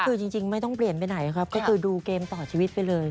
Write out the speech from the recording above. คือจริงไม่ต้องเปลี่ยนไปไหนครับก็คือดูเกมต่อชีวิตไปเลย